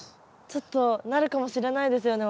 ちょっとなるかもしれないですよね